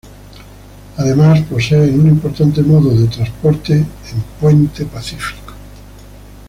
Además posee en un importante modo de transporte en Puente Pacífico.